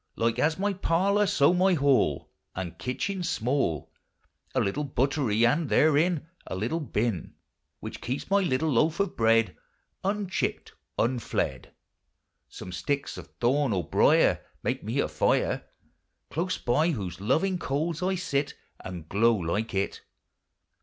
Like as my parlour, so my hall Ami kitchen 's small ; A little butterie, and therein A little hyn. Which keeps my little loafe of bread Unchipt, unflead. Some sticks of thorn or briar Make me a fire, Close by whose loving coals I sit, And glow like it.